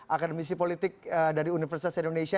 akademisi politik dari universitas indonesia